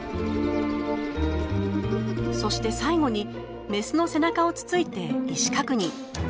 そして最後にメスの背中をつついて意思確認。